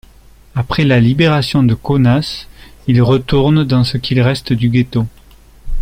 Après la libération de Kaunas, il retourne dans ce qu'il reste du ghetto.